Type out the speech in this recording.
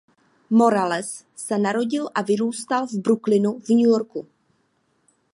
Morales se narodil a vyrůstal v Brooklynu v New Yorku.